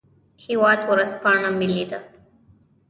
هیواد ورځپاڼه ملي ده